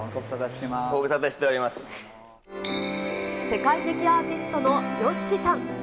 世界的アーティストのＹＯＳＨＩＫＩさん。